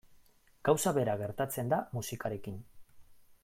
Gauza bera gertatzen da musikarekin.